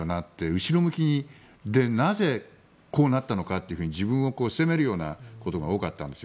後ろ向きにで、なぜこうなったのかと自分を責めるようなことが多かったんですよ。